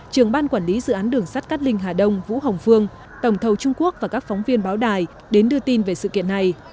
trưởng ban quản lý dự án đường sắt cát linh hà đông vũ hồng phương tổng thầu trung quốc và các phóng viên báo đài đến đưa tin về sự kiện này